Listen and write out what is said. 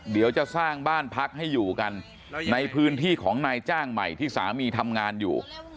เดี๋ยวจะสร้างบ้านพักให้อยู่กันในพื้นที่ของนายจ้างใหม่ที่สามีทำงานอยู่